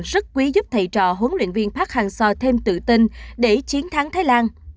sức quý giúp thầy trò huấn luyện viên park hang seo thêm tự tin để chiến thắng thái lan